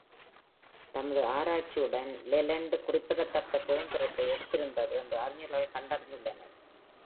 தமது ஆராய்ச்சியுடன் லெலெண்டு குறிப்பிடத்தக்க சுதந்திரத்தை எடுத்திருந்தது என்று அறிஞர்கள் கண்டறிந்துள்ளனர்.